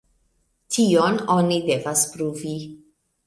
Tion oni devas pruvi.